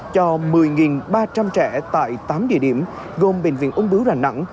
cho một mươi ba trăm linh trẻ tại tám địa điểm gồm bệnh viện úng bứa đà nẵng